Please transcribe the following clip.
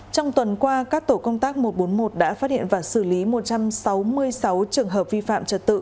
trong tuần qua các tổ công tác một trăm bốn mươi một đã phát hiện và xử lý một trăm sáu mươi sáu trường hợp vi phạm trật tự